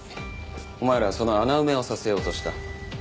お前らはその穴埋めをさせようとした。